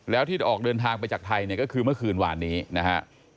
แล้วที่ออกเดินทางไปจากไทยเนี่ยก็คือเมื่อคืนวานนี้นะฮะ